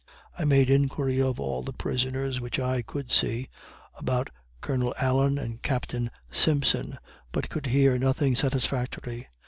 I made inquiry of all the prisoners which I could see, about Colonel Allen and Captain Simpson, but could hear nothing satisfactory.